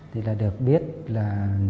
thì là được biết là